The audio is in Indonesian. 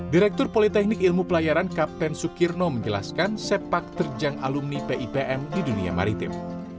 direktur politeknik ilmu pelayaran kapten sukirno menjelaskan sepak terjang alumni pipm di dunia maritim